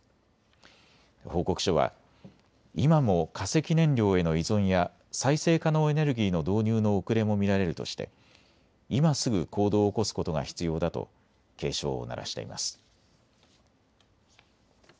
報告書は今も化石燃料への依存や再生可能エネルギーの導入の遅れも見られるとして今すぐ行動を起こすことが必要だと警鐘を鳴らしています。